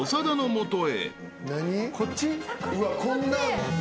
うわっこんなとこ。